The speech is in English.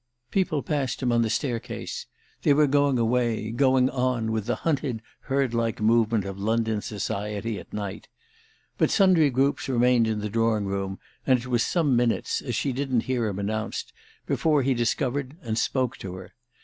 People passed him on the staircase; they were going away, going "on" with the hunted herdlike movement of London society at night. But sundry groups remained in the drawing room, and it was some minutes, as she didn't hear him announced, before he discovered and spoke to her.